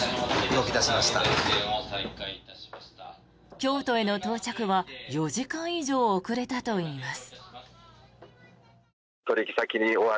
京都への到着は４時間以上遅れたといいます。